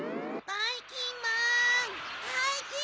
ばいきんまん！